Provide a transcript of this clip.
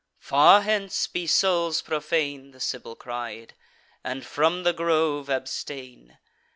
"Far hence be souls profane!" The Sibyl cried, "and from the grove abstain!